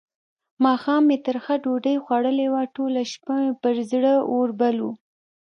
ماښام مې ترخه ډوډۍ خوړلې وه؛ ټوله شپه مې پر زړه اور بل وو.